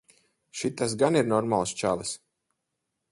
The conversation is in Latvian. Šitas gan ir normāls čalis.